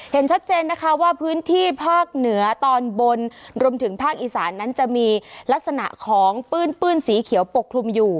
เห็นชัดเจนนะคะว่าพื้นที่ภาคเหนือตอนบนรวมถึงภาคอีสานนั้นจะมีลักษณะของปื้นสีเขียวปกคลุมอยู่